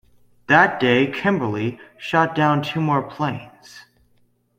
That day "Kimberly" shot down two more planes.